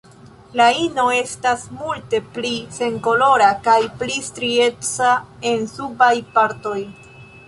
La ino estas multe pli senkolora kaj pli strieca en subaj partoj.